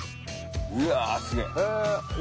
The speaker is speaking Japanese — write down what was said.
うわすげえ。